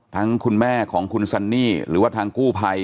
คุณแม่ของคุณซันนี่หรือว่าทางกู้ภัย